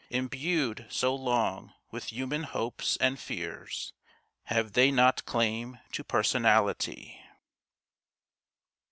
Imbued so long with human hopes and fears, Have they not claim to personality?